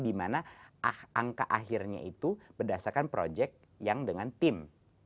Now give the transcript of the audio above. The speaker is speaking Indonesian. dimana angka akhirnya itu berdasarkan project yang dengan tim